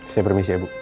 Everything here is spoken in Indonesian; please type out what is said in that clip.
saya permisi ibu